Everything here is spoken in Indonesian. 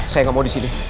saya gak mau di sini